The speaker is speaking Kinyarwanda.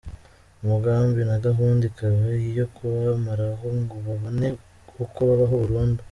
Umugambi na gahunda ikaba iyo kubamaraho ngo babone uko babaho burundu.